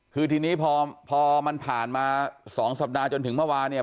คือทีนี้พอมันผ่านมา๒สัปดาห์จนถึงเมื่อวานเนี่ย